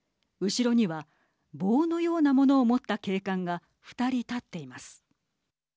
後ろには棒のようなものを持った警官が２人立っています。